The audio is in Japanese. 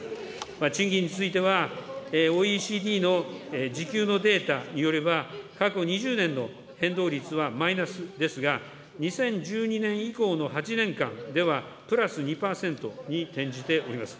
賃金についてはＯＥＣＤの時給のデータによれば、過去２０年の変動率はマイナスですが、２０１２年以降の８年間では、プラス２％に転じております。